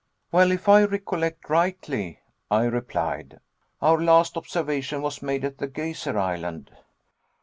"Well, if I recollect rightly," I replied, "our last observation was made at the geyser island."